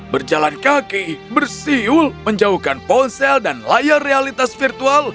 berjalan kaki bersiul menjauhkan ponsel dan layar realitas virtual